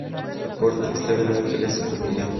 Corte: Steve Angel en Utopia.